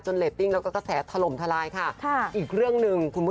โอ้โหหีฟ้าเอ่ยเพลงขึ้นเลยนะ